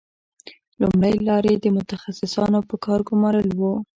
لومړۍ لار یې د متخصصانو په کار ګومارل وو